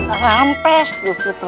ayah anda benar